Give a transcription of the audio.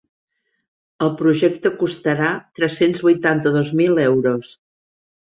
El projecte costarà tres-cents vuitanta-dos mil euros.